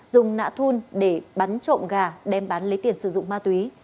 dùng nạ thun để bắn trộm gà đem bán lấy tiền sử dụng ma túy